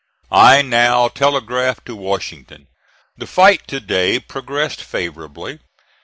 I now telegraphed to Washington: "The fight to day progressed favorably.